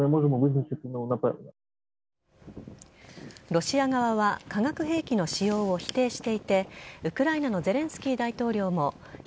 ロシア側は化学兵器の使用を否定していてウクライナのゼレンスキー大統領も１００％